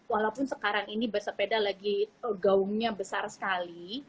walaupun sekarang ini bersepeda lagi gaungnya besar sekali